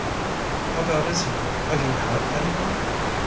"How bad is he? Have you had any one?"